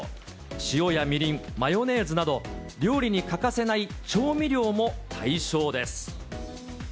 塩やみりん、マヨネーズなど、料理に欠かせない調味料も対象です。